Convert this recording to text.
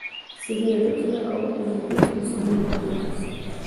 صحي عادتونه د اوږدې هوساینې لامل ګرځي.